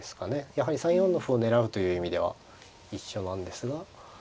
やはり３四の歩を狙うという意味では一緒なんですが。